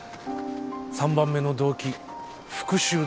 ３番目の動機復讐だよ。